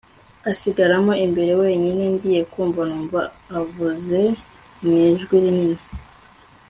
asigaramo imbere wenyine, ngiye kumva numva avuze mwijwi rinini